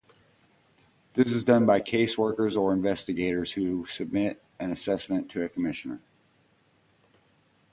This is done by caseworkers or investigators who submit an assessment to a Commissioner.